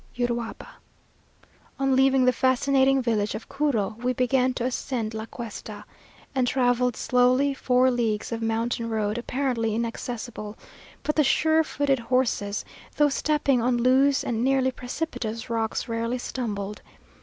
URUAPA. On leaving the fascinating village of Curu, we began to ascend La Cuesta; and travelled slowly four leagues of mountain road, apparently inaccessible; but the sure footed horses, though stepping on loose and nearly precipitous rocks, rarely stumbled.